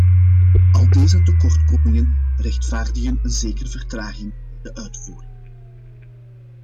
Al deze tekortkomingen rechtvaardigen een zekere vertraging bij de uitvoering.